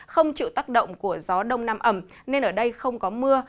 không chịu tác động của gió đông nam ẩm nên ở đây không có mưa